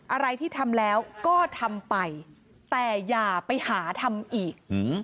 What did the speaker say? อะไรที่ทำแล้วก็ทำไปแต่อย่าไปหาทำอีก